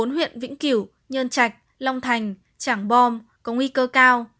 bốn huyện vĩnh kiểu nhân trạch long thành tràng bom có nguy cơ cao